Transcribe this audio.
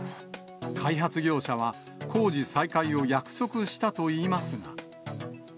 開発業者は工事再開を約束したといいますが。